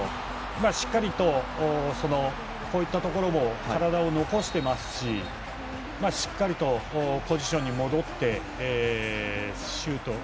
しっかりと体を残していますししっかりとポジションに戻ってシュートを。